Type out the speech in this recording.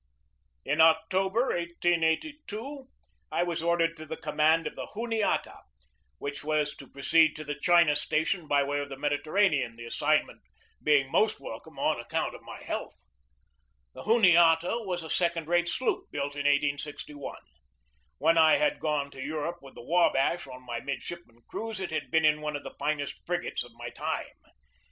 In October, 1882, I was ordered to the command of the Juniata, which was to proceed to the China station by way of the Mediterranean, the assignment being most welcome on account of my health. The Juniata was a second rate sloop, built in 1861. When I had gone to Europe with the W abash on my mid shipman cruise it had been in one of the finest frig iS4 GEORGE DEWEY ates of my time.